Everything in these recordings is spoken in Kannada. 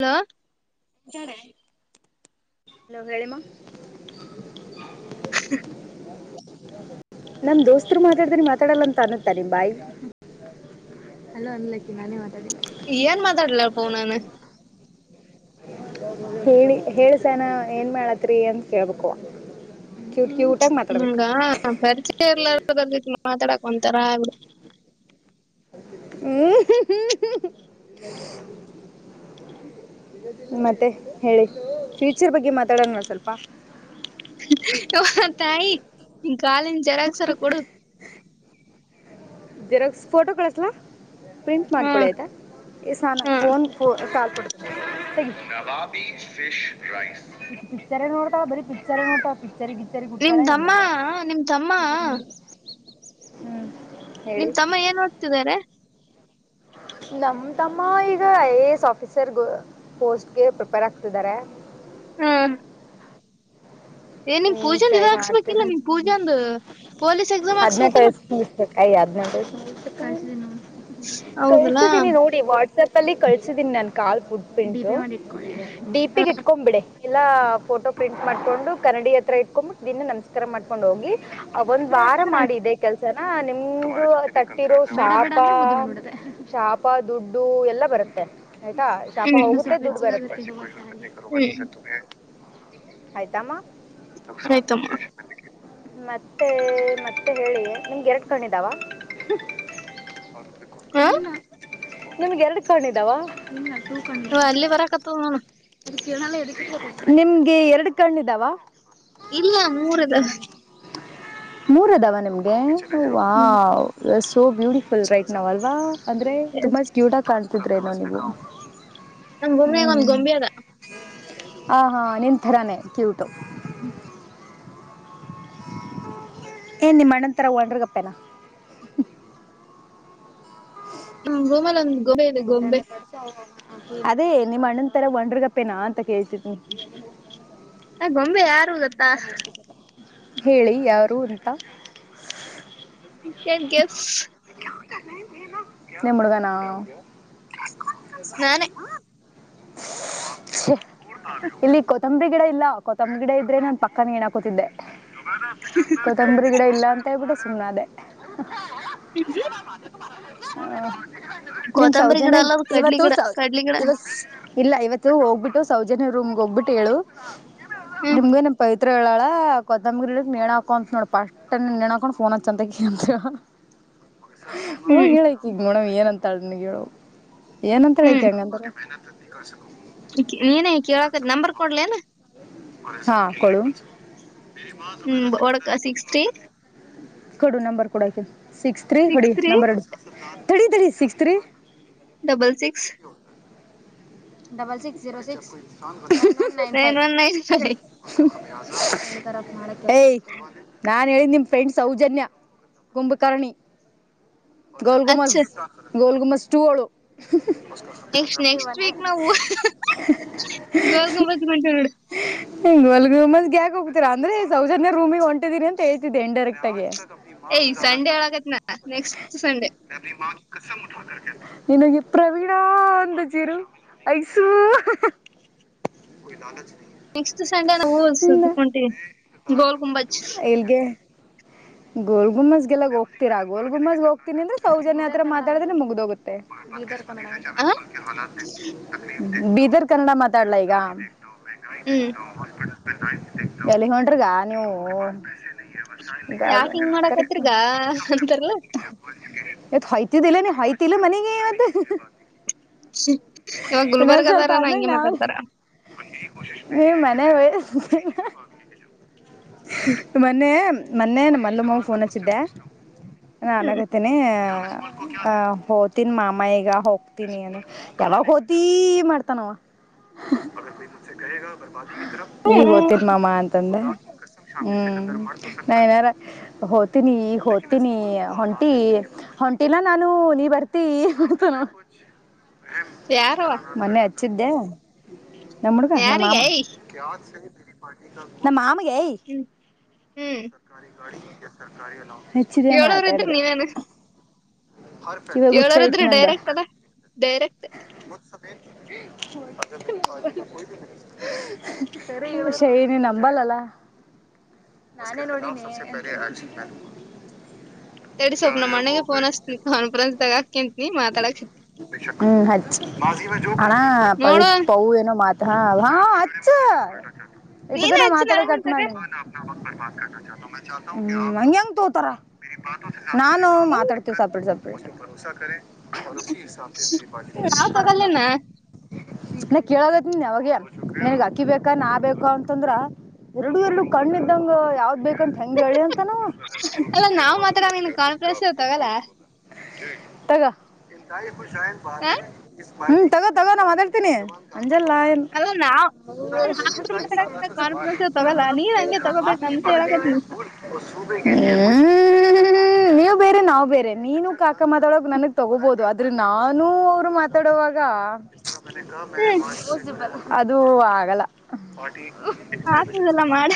ಹಲೋ ನಂಗಳ [unintelligible] ಹ ನಮ ದೋಸ್ತರು ಮಾತಾಡತನಿ ಮಾತಾಡಲ್ಲ ಅಂತ ಅನುತ್ತ ನಿ ಬಾಯ್ ಹಲೋ ಅನ್ಲಕ್ಕಿ ನಾನೇ ಮಾತಾಡಿ ಏನ್ ಮಾತಾಡ್ಲಾರಪ್ಪ ಫೊನ್ ನಾಗಾ ಹೇಳಿ ಹೇಳಸನ ಏನ್ ಮಾಡ್ಲ್ತೀರಿ ಅಂತಾ ಕೇಳ್ಬೇಕು ಕ್ಯೂಟ್ ಕ್ಯೂಟ್ ಆಗಿ ಮಾತಾಡ್ಬೇಕು ಹಂಗ ಪರಿಚಯ ಎಲ್ಲಾರದ್ರ ಜಿ ಮಾತಾಡಕ್ ಒಂತರ ಆಡು ಹ್ಮ ಮತ್ತೆ ಹೇಳಿ ಫ್ಯೂಚರ್ ಬಗ್ಗೆ ಮಾತಾಡೋಣೋಡ ಸ್ವಲ್ಪ ತಾಯಿ ಗಾಲಿನ ಜರಕ್ಸರ ಕೊಡ ಜೆರಾಕ್ಸ್ ಫೋಟೋ ಕಳಿಸಲ ಪ್ರಿಂಟ್ ಹಾ ಮಾಡ್ಕೊಳ್ಳಯ್ತ ಈ ಸ ನ ಹಾ ಫೋನ್ ಫ ಕಾಲ್ ಕೊಡ್ ನವಾಬಿ ಫಿಶ್ ರೈಸ್ ಪಿಚರ್ೇ ನೋಡ್ತಾವ ಬಾರಿ ಪಿಚರ್ೇ ನೋಡ್ತ ಪಿಕ್ಚರ್ ಗಿಚ್ಚರಿ ಗುಟ್ಟಾಳೆ ನಿಮ್ದಮ್ಮ ಎಂಬಾಡ ನಿಮ್ದಮ್ಮ ಹ್ಮ್ ಹೇಳಿ ನಿಮ್ ತಮ್ಮ ಏನ್ ಓದ್ತಿದ್ದಾರೆ ನಮ ತಮ್ಮ ಈಗ ಐ ಎ ಎಸ್ ಆಫೀಸರ್ ಪೋಸ್ಟ್ಗೆ ಪ್ರಿಪೇರ್ ಆಗ್ತಿದ್ದಾರೆ ಹ್ಮ ಹ್ಮ ಪೂಜೆಂದ ಟ್ರೈ ಇದ ಹಾಕ್ಸ್ಬೇಕಿಲ್ಲ ಮಾಡ್ತೇನೆ ನಿಮ್ ಪೂಜೆಂದು ಪೊಲೀಸ್ ಎಕ್ಸಾಮ್ ಹದಿನೆಟು ಹಾಕ್ಸ್ಬೇಕಿಲ್ಲ ವಸ್ ಆಯಿ ಹದಿನೆಂಟು ವರ್ಷ ಮುಗಿತು ರಿ ಹೌದಲ್ಲಾ ಕಲ್ತು ವಾಟ್ಸಾಪ್ ಅಲ್ಲಿ ಖಲಸಿಡಿನಿ ನನ್ನ ಕಾಲ್ ಫುಟ್ಪ್ರೀ ಡಿಪಿ ಹ ಅಲ್ಲೀ ಇಟ್ಕೊಂಡ್ ಬೀಡಿ ಎಲ್ಲಾ ಫೋಟೋ ಪ್ರಿಂಟ್ ಮಾಡ್ಕೊಂಡು ಕನ್ನಡಿ ಹತ್ರ ಇಟ್ಕೊಂಡಂಬು ದನ್ನ ನಮಸ್ಕಾರ ಮಾಡ್ಕೊಂಡ್ ಹೋಗಿ ಒಂದ್ ವಾರ ಮಾಡಿದ್ದ ಕೆಲ್ಸ ಜನ ನಿಮ್ದು ತಟ್ಟಿರೋ ಸಾಕ ಶಾಪ ದುಡ್ಡು ಎಲ್ಲ ಬರುತ್ತೆ ಆಯ್ತಾ ಶಾಪ ಹ್ಮ್ ಹೋಗುತೆ ದುಡ್ಡು ಹ್ಮ್ ಬರುತ್ತದೆ ಆಯ್ತಮ್ಮ ಆಯ್ತಮ್ಮ [unintelligible] ಮತ್ತೆ ಮತ್ತೆ ಹೇಳಿ ನಿಮ್ಗೆ ಎರಡ್ ಕಣಿದಾವ ಹ ನಿಮಗೆ ಎರಡು ಕೊಂಡಿದಾವ ಇಲ್ಲ ಟು ಕಣ್ಣಿಡವೆ ಎಲ್ಲಿ ಬರಕ ತೋಣ ನಿಮ್ಗೆ ಎರಡು ಕಣ್ಣಿದಾವ ಇಲ್ಲ ಮೂರ್ ಇದಾವ ಮೂರದಾವ ನಿಮ್ಗೆ ವ ಹ್ಮ್ ಸೋ ಬ್ಯೂಟಿಫುಲ್ ರೈಟ್ ನಾವ್ ಅಲ್ವಾ ಅಂದ್ರೆ ತುಂಬಾ ಕತೆ ಕಾಣ್ತಿದ್ರೆ ನನಗೆ ನಂಗ್ ಗೊಂಬೆಗ ಒಂದ್ ಹ್ಮ್ ಗೊಂಬೆ ಹ ಅದ ಹ ಹಾ ನಿನ್ ಥರಾನೇ ಕ್ಯೂಟು ಏನ್ ನಿಮ್ಮ್ಣಂತರ ಹೊಂಡ್ರಗಪ್ಪೇನಾ ಹ್ ರೋಮಲ- [unintelligible] ಅದೇ ನಿಮ್ಮ ಅಣ್ಣನ್ ತರ ಒಂಡ್ರಗಪ್ಪೇನಾ ಅಂತ ಕೇಳ್ತಿದನಿ ಆ ಗೊಂಬೆ ಯಾರು ಗತ್ತಾ ಹೇಳಿ ಯಾರು ಅಂತ ಊ ಕ್ಯಾನ್ ಗೇಸ್ ನಿೆಮ್ಮಡುಗಾನ ನಾನೇ [unintelligible] ಇಲ್ಲಿ ಕೊತ್ತಂಬರಿ ಗಿಡ ಇಲ್ಲ ಕೊತ್ತಂಬಿ ಗಿಡ ಇದ್ರೆ ನಾನನ್ ಪಕ್ಕನ ಏನಾ ಕೂತಿದ್ದೆ ಕೊತ್ತಂಬರಿ ಗಿಡ ಇಲ್ಲ ಅಂತೇಬಿಟ್ಟ ಸುಮ್ಮನ ಅದೇ ಹ ಹ ನಿಮ್ ಕೊತ್ತಂಬರಿ ಗಿಡ ಸೌಜನ್ಯ ಅಲ್ಲದು ಕಡ್ಲಿ ಇವತ್ತು ಗಿಡ ಸ ಕಡ್ಲಿ ಗಿಡ ಇವ ಇಲ್ಲ ಇವತ್ತು ಹೋಗ್ಬಿಟ್ಟು ಸೌಜನ್ಯ ರೂಮ್ಗೆ ಹೋಗ್ಬಿಟ್ಟು ಹೇಳು ಹ್ಮ್ ನಿಮ್ಗೆನಪ ಹತ್ರ ಹೇಳಳ ಕೊದ್ದಂಬಂಗಿರಿಲಿ ನಣ ಹಾಕೋ ಅಂತ ನೋಡ್ ಪಾಸ್ಟ್ ಟ ನ್ಣ ಕುಫೋನ ಚಂದ ಹಓ ಹ್ಮ್ ಹೇಳಕ್ ಈಗ ಮೋಡಮ್ ಏನಂತಾ ಅನ ಹೇಳುವ ಏನಂತ ಹ್ಮ್ ಹೇಳಕ್ಕೆ ಹಂಗಂದ್ರ ನೀನೇ ಕೇಳಕ ನಂಬರ್ ಕೊಡ್ಲೇನ ಹಾ ಕು ಹ್ಮ್ ಒಳಕ ಸಿಕ್ಸ್ಟಿ ಕೊಡು ನಂಬರ್ ಕೊಡಕ ಸಿಕ್ಸ್ ತ್ರೀ ಹೊಡಿ ನಂಬರ್ ತಡಿ ತ six three double six double six zero six nine five one nine five ಏಯ ನಾನ್ ಹೇಳಿದ ನಿಮ್ ಫ್ರೆಂಡ್ ಸೌಜನ್ಯ ಕಂಭುಕರ್ಣಿ ಗೋಲ್ ಅಚ್ಚ ಗುಮಸ್ ಗೋಲ್ ಗುಮಸ್ ಟಳು ಎ ನೆಕ್ಸ್ಟ್ ವೀಕ್ ನಾವು ಗಲ್ ಗಂಬತ್ ಗಂಟ ಹ್ಮ್ ಹಿಂಗ ಹೊಲ್ಗ ಮಂದ್ಗೆಗ ಹೋಗತರ ಅಂದ್ರೆ ಸೌಜನ್ಯ ರೂಮಿಗೆ ಹೊಟಿದೀರಿ ಅಂತ ಹೇತಿದ್ದೆ ಇನ್ ಡೈಕ್ಟಗಿ ಏಯ್ ಸಂಡೆ ಒಳಗೈತ್ನಾ ನೆಕ್ಸ್ಟ್ ಸಂಡೆ ನಿಿನಗೆ ಪ್ರವೀಣಾ ಅಂದ ಜೀರು ಐಸು ಇಲ್ಲ ನೆಕ್ಸ್ಟ್ ಸಂಡೆ ನಾವು ಸುದ್ಕೊಂಟಿವಿ ಗೋಲ್ ಗುಂಬಜ್ ಎಲ್ಗೆ ಗೋಲ್ ಗುಮ್ಮಸ್ಗೆಲ್ಲ ಹೋಗ್ತೀರಾ ಗೋಲ್ ಗುಮ್ಮಸ್ಗೆ ಹೋಗ್ತೀನಿ ಅಂದ್ರ ಸೌಜನ್ಯ ಹತ್ರ ೆ ಮುಗ್ದೋಗುತ್ತೆ ಆ ಬೀದರ್ ಕನ್ನಡ ಮಾತಾಡ್ಲಾ ಈಗ ಹ್ಮ್ ಎಲ್ಲಿ ಹಂಡ್ರಿಗ ನೀವು ಾವ ಯಾಕ ಹಿಂಗ್ ಮಾಡಕತ್ರಿಗ ಅಂತಾರಲ್ಲ ಇತ್ತ್ ಹೊಯ್ತಿದ್ದಿಲ್ಲ ನೀ ಹೊಯ್ತಿಲ್ಲ ಮನೆಗೆ ಮತ್ತೆ ಇವಾಗ ಗುಲ್ಬರ್ಗ ಅದಾರ ನ ಹಂಗೆ ಮಾತಾಡ್ತಾರ ನೀವ್ ಮನೆ ವಯಸ್ ಮೊನ್ನೆ ಮೊನ್ನೆ ನಮ್ಮ ಅಲ್ಲಮ್ಮ ಫೋನ್ ಹಚ್ಚಿದ್ದೆ ಹ್ಮ್ ನನ್ಗತೇನಿ ಆ ಹದು ಮಾಮ ಈಗ ಹೋಗ್ತಿನಿ ಅ ಎಲ್ಲ ಹ ಅೀ ಮಾಡ್ತಾನ ಈಗ ಓ್ತಿ ಮಾಮ್ಮ ಅಂತಂದ ಹ್ಮ್ ನಏನಾರ ಹೋ್ತೀನಿ ಹೋದ್ತೀನಿ ಹೊಂಟಿ ಹೊಂಟಿಲ್ಲ ನಾನು ನೀ ಬರ್ತಿ ಯಾರವ ಮೊನ್ನೆ ಹಚ್ಚಿದ್ದೆ ನಮ್ಮ ಹುಡ್ಗ ನಮ್ಮ ಮಾಮ ಯಾರಿಗೆ ನ ಮಾಮಗೆ ಈ ಹ್ಮ್ ಹ್ಮ್ ಸರ್ಕಾರಿ ಗಾಡಿ ಸರ್ಕಾರಿ ಅಲ ಕೇಳೋರು ಇದ್ರಿ ನೀವೇನ್ ಹ ಕೇಳೋರದ್ರೆ ಡೈರೆಕ್ಟ್ ಅಲ್ಲ ಡೈರೆಕ್ಟ್ ಸಮೇ ಸರಿ ರಿಷಾ ನಂಬಲ್ಲಲ್ಲ ನಾನೇ ನೋಡಿನೇ ತೆಡಿ ಸ್ವಲ್ಪ ನಾಮ್ ಅಣ್ಣಾಗೆ ಫೋನ್ ಅಸ್ತನ ಕಾನ್ಫರೆನ್ಸ್ ತಗಾಕಂತನಿ ಮಾತಾಡಾಕತಿ ಚಾಕೋ ಅಣ್ಣ ನೋಡು ಪಾವ್ ಏನ ಹಾ ಹಾ ಅಚ್ಚ ಇಟ್ಟ ನೀನ್ ತಾನ ಹಚ್ಚಿ ಮಾತಾಡ ಕಟ್ ನನಗಂತಗ ಮಾಡ್ನ ಹೂ ಹಾಂಗ್ ಹೆಂಗ್ ತೋಗೋತರ ನಾನು ಮಾತಾಡ್ತೇವ ಸಪ್ರೇಟ್ ಸಪ್ರೇಟ್ ನಾವ್ ತಗೊಲೆನಾ ನಾ ಕೇಳಗತ್ತನ್ಿ ಅವಾಗೆ ನನ್ಗ್ ಅಕ್ಕಿ ಬೇಕಾ ನಾ ಬೇಕಾ ಅಂತಂದ್ರ ಎರಡು ಎರಡು ಕಣ್ಣ್ದಂಗ ಯಾವ್ದ್ ಬೇಕಂತ ಹೆಂಗ ಹೇಳಿ ಅಂತನಾ ಅವ ಅಲ್ಲ ನಾವ್ ಮಾತ್ರಡನ್ ಕಾನ್ಪ್ರೆನ್ಸ ತಗೊಳ ತಗ ಹೂ ತಗೋ ತಗೋ ನನ್ ಮಾತಾಡ್ತೀನಿ ಅಂಜಲ್ಲ ಅಲ್ಲ ನಾವ್ ಹ ಅಲ್ಲ ನಾವಿಬ್ರು ಮಾತಾಡಕ ಬ ಕಾನ್ಫರೆನ್ಸ್ ತಗಲ್ಲ ನೀವ್ ಹಂಗೆ ತಗೋಬೇಕಂತ ಹೇಳಕತ್ನಿ ಹೂ ಹೂ ನೀವ್ ಬೇರೆ ನಾವ್ ಬೇರೆ ನೀನು ಕಾಕಾ ಮಾತಾಳ ನನಗ್ ತಗೋಬಹುದು ಆದ್ರೆ ನಾನು ಅವರು ಮಾತಾಡವಾಗ ಅದು ಆಗಲ್ಲ ಆಗ್ತದಲ್ಲ ಮಾಡ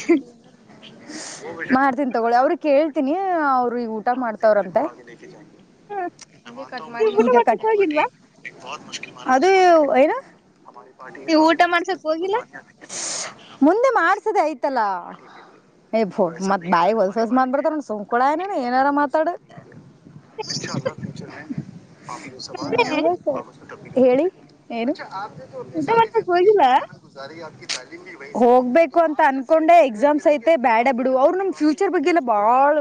ಮಾಡ್ತೀನಿ ತಗೊಳಿ ಅವ್ರ ಕೇಳ್ತೀನಿ ಅವರು ಈಗ ಊಟ ಮಾಡ್ತವ್ರಂತೆ ನೀವ್ ಊಟ ಈಗ ಮಾಡ್ಸಕ್ ಹೋಗಿಲ್ವಾ ಅದು ಏನು ನೀವ್ ಊಟ ಮಾಡ್ಸಕ್ ಹೋಗಿಲ್ಲ ಮುಂದೆ ಮಾಡ್ಸದೆ ಆಯ್ತಲ್ಲಾ ಏ್ ಬೋತ್ ಬಾಯಿ ಹೊಲ್ಸಲ್ಸ ಮಾ್ಬ ಬಿರ್ತಾರಣ್ಣ ಸುಂಕೂಳ ಏನ್ಣ ಏನಾರ ಮಾತಾಡು ಇನ್ಶಾ ್ಯಚರ್ೇ ಹೇಳಿ ಏನು ಪ್ ಊಟ ಸಾರಿ ಮಾಡ್ಸಕ್ ಜಿಂದಿ ಜೆ ಹೋಗಿಲ್ಲ ಗುಾರಿ ಆಪ್ಿ ತಾಲಮ ಹೋಗ್ಬೇಕು ಅಂತ ಅನ್ಕೊಂಡೆ ಎಕ್ಸಾಮ್ಸ್ ಐತೆ ಬ್ಯಾಡ ಬಿಡು ಅವ್ರು ನಾಮ್ ಫ್ಯೂಚರ್ ಬಗ್ಗೆಲ್ಲ ಬಾಳ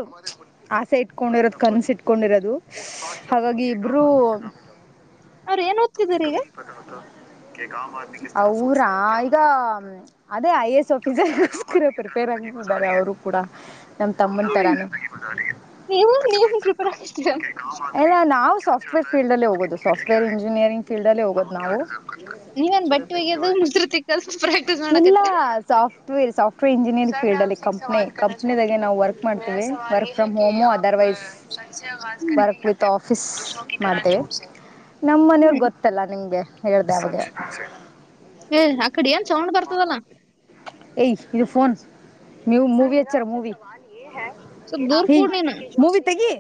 ಆಸೆ ಇಟ್ಕೊಂಡಿರೋದು ಕನಸು ಇಟ್ಕೊಂಡಿರೋದು ಹಾಗಾಗಿ ಇಬ್ಬರು ಅವ್್ರ ಏನ್ ಓ್ಿದಾರ ಈಗ ಅವ್ರ ಈಗ ಅದೇ ಐ ಎ ಎಸ್ ಆಫೀಸರ ಪ್ರಿಪೇರ್ ಆಗಿಬಾರೆ ಅವರು ಕೂಡ ನಮ್ ತಮ್ಮನ ಹ್ಮ್ ತರಾನೇ ನೀವು ನೀವ್ ಪ್ರಿಪೇರ್ ಆಗತ್ತೀರ ಇಲ್ಲ ನಾವು ಸಾಫ್ಟ್ವೇರ್ ಫೀಲ್ಡ್ ಅಲ್ಲಿ ಹೋಗೋದು ಸಾಫ್ಟ್ವರ್ಂಜಿನಿಯರಿಂಗ್ ಫೀಲ್ಡ್ಲ್ಲಿ ಹೋಗೋದು ನಾವು ನೀವೇನ್ ಬಟ್ಟೆ ಒಗ್ಯದು ಮುಸ್ರು ತಿಕ್ಕದು ಪ್ರಾಕ್ಟೀಸ್ ಇಲ್ಲ ಮಾಡಕತ್ತೀರ ಸಾಫ್ಟ್ವೇರ್ ಸಾಫ್ಟ್ವೇರ್ ಇಂಜಿನಿಯರಿಂಗ್ ಫೀಲ್ಡನಲ್ಲಿ ಕಂಪ್ನಿದಾಗ ನಾವು ವರ್ಕ್ ಮಾಡ್ತೀವಿ work work from home otherwise work with office ಮಾಡಿದೆ ನಮ್ಮ ಮನೆಯವ್ರ ಹ್ಮ್ ಗೊತ್ತಲ್ಲ ನಿಮ್ಗೆ ಹೇಳ್ದ ಅವ್ರಿಗೆ ಏ ಅ ಕಡೆ ಏನ್ ಸೌಂಡ್ ಬರ್ತದಲ್ಲಾ ಏಯ ಇದು ಫೋನ್ ನೀವು ಮೂವಿ ಹಚ್ಚಾರ ಮೂವಿ ಸ್ವಲ್ಪ ದೂರ್ ಏ ಕೂಡ್ ನೀನು ಮೂವಿ ತೆಗಿ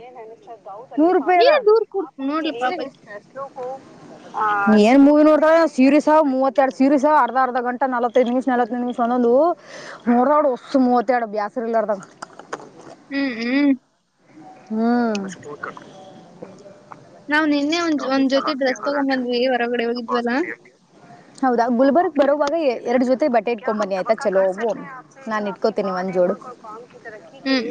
ನೂರು ರೂಪಾಯಿ ಅದ ನೀನ ದೂರ್ ಕೂಡ್ ನೋಡ್ಲಿ ಪಾಪಕಿ ನಸ ಏನ್ ಮೂವಿ ನೋಡ್ತಾಳೆನ್ ಸೀರಿಸ ಮೂವತ್ತ ಎರಡು ಸೀರಿಸ ಅವ ಅರ್ಧ ಅರ್ಧ ಗಂಟ ನಲ್ ಹತ್ತೈದು ನಿಮಿಷ ನಲ್ವತ್ತೈದು ನಿಮಿಷ ಒಂದೊಂದ ಮೂರಾಡ್ ಒಸು ಮೂವತ್ತರಡು ಬ್ಯಾಸರಿಲ್ಲಾರದಂಗ್ ಹ್ಮ್ ಹ್ಮ್ ಹ್ಮ್ ನಾವು ನಿನ್ನೆ ಒಂದ್ ಒಂದ್ ಜೊತಿ ಡ್ರೆಸ್ ತಗೊಂಬಂದ್ವಿ ಹೊರಗಡೆ ಹೋಗಿದ್ವಲ್ಲ ಹೌದಾ ಗುಲ್ಬರ್ಗ್ ಬರೋವಾಗ ಎ ಎರಡು ಜೊತೆ ಬಟ್ಟೆ ಇಟ್ಕೊಂಡ್ ಬನ್ನಿ ಆಯ್ತಾ ಚೊಲೊವು ನಾನ್ ಇಟ್ಕೋತೇನಿ ಒಂದಜೋಡು ಹ್ಮ್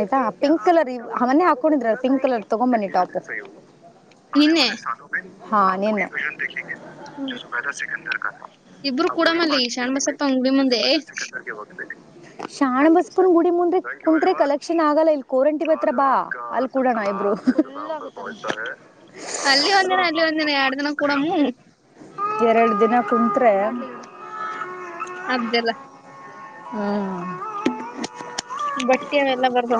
ಆಯ್ತಾ ಪಿಂಕ್ ಕಲರ್ ಆ ಮೊನ್ನೆ ಹಾಕೊಂಡಿದ್ರ ಪಿಂಕ್ ಕಲರ್ ತಗೊಂಬ ಬನ್ನಿ ಟಾಪ ನಿನ್ನೆ ಆಹಾ ನಿನ್ನ ಇಬ್ರುೂ ಕೂಡಮ ಅಲ್ಲಿ ಶರಣ್ಬಸಪ್ಪ ಅಂಗಡಿ ಮುಂದೆ [inaudible] ಶಾಣ್ ಬಸ್ಕುನ್ ಗುಡಿ ಮುಂದ್ರೆ ಕುಂತ್ರೆ ಕಲೆಕ್ಷನ್ ಆಗಲ್ಲ ಇಲ್ ಕೋರಂಟಿ ಅತ್ರ ಬಾ ಅಲ್ಲಿ ಕೂಡೋಣ ಇಬ್ರು ಅಲ್ಲಿ ಒಂದಿನ ಅಲ್ಲಿ ಒಂದ್ ನ ಎರಡ್ ದಿನ ಕೂಡಮ್ಮ ಎರಳ ದಿನ ಕುಂತ್ರೆ ಅ್ದಲ್ಲ ಹ್ಮ್ ಬಟ್ಟೆೆಲ್ಲ ಬರ್ದ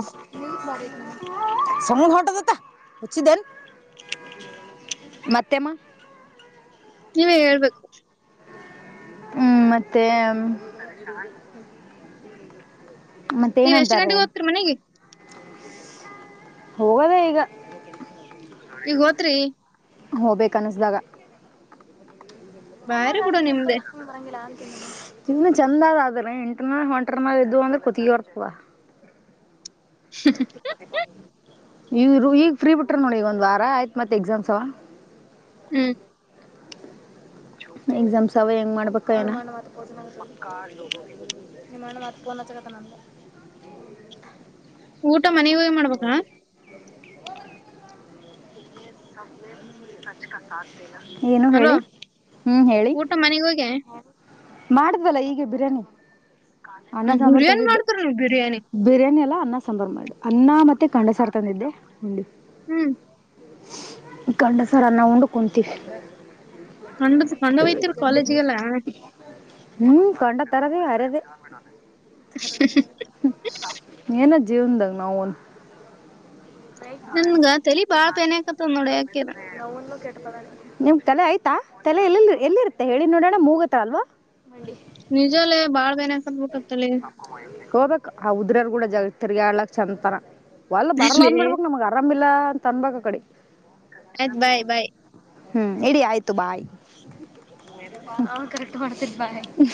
ಸಮೂ ಹಟದತಾ ಹಚ್ಚಿ ದನ್ ಮತ್ತೆಮ್ಮ ನೀವ ಹೇಳ್ಬೇಕು ಹ್ಮ್ ಮತ್ತೆ ಮತ್ತೆ ನೀವ್ ಎಷ್ಟ್ ಏನಂತಾರೆ ಗಂಟೆಗೆ ಹೋಗ್ತೀರಿ ಮನೆಗೆ ಹೋಗದೆ ಈಗ ಈಗ ಹೋತ್ರಿ ಹೋಗ್ಬೇಕ ಅನಿಸ್ದಾಗ ಬಾರಿ ಬಿಡು ಸಮೂರತ್ತರ ನಿಮ್ದೆ ಇನ್ನು ಚಂದದ ಆದದ್ರೆ ಎಂಟನ ಹೊಂಟ್ರನಾಗ ಇದು ಅಂದ್ರೆ ಕತ್ಗರ್ತವ ಹ್ಮ ವ ಈಗ ಫ್ರೀ ಬಿಟ್ರ ನೋಡಿ ಈಗ ಒಂದ್ ವಾರ ಆಯ್ತ್ ಮತ್ತೆ ಎಕ್ಸಾಮ್ಸ್ ಅವ ಹ್ಮ್ ಎಕ್ಸಾಮ್ಸ್ ಅವೇ ಹೆಂಗ್ ಮಾಡ್ಬೇಕ ಏನ ನಿಮ್ಮಲೆ ಮತ್ತಪನ ಚಕ್ಕತನಲ್ಲ ಊಟ ಮನೆ ಹೋಗ ಮಾಡ್ಬೇಕಾ [unintelligible] [unintelligible] ಏನು ಅಲೋ ಹೇಳಿ ಹ್ಮ್ ಹೇಳಿ ಊಟ ಮನೆಗ್ ಹೋಗಿ ಮಾಡುದಲ್ಲ ಈಗ ಬಿರಯಾನಿ ಬಿರಿಯಾನಿ ಮಾಡ್ತರು ನೀವ್ ಬಿರಿಯಾನಿ ಬಿರಿಯಾನಿ ಎಲ್ಲ ಅನ್ನ ಸಾಂಬಾರು ಮಾಡು ಅನ್ನ ಮತ್ತುತ್ತೆ ಕಂಡಸಾರ ತಂದಿದ್ದೆ ಉುಂಡಿ ಹ್ಮ್ ಕಂಡಸರ ನಾ ಉಂಡು ಕುಂತೀವಿ ಕಂಡ ಕಂಡ ಹಯ್ತರಿ ಕಾಲೇಜಿಗೆಲ್ಲ ಹ್ಮ್ ಕಂಡ ತರದೇ ಅರದ ಹ ನ ಜೀವನಂದಂಗ ನ ಅವನು ನನ್ಗ ತಲಿ ಬಾಳ ಪೆನಕತದ್ ನೋಡಿ ಯಾಕ್ಯರ ನನ್ ಕೆಟ್ಟ ಬ ನಿಮ್ ತಲೆ ಆಯ್ತಾ ತಲೆ ಎಲ್ಲಿ ಎಲ್ಲಿರುತ್ತೆ ಹೇಳಿ ನೋಡೋಣ ಮೂಗತ ಅಲ್ವಾ ನಿಜಲ್ಲೇ ಬಾಳ್ ಬೇನಸ್ ಅಂತ ಬಿಟ್ಟತ್ತಲ್ಲಿ ಹೋಗ್ಬೇಕಕ್ ಆ ಉದ್ರರ್ ಕೂಡ ಜಾಗತ್ತರ್ಗ್ಯಾಲಕ್ ಚಂದಂತಾರ ಒಲ್ ಬರಲ್ಲ ಅನ್ಬಿಡ್ಬಕ್ ನಮಗ್ ಆರಾಮಿಲ್ಲ ಅಂತ ಅನ್ಬಕ್ ಕಡೆ ಆಯ್ತತ್ ಬಾಯ್ ಬಾಯ್ ಹ್ಮ್ ಇಡೀ ಆಯ್ತು ಬಾಯ್ರೆ ಮಾಡ್ತ ಬ